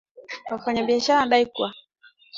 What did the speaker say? Wafanyabiashara wanadai kuwa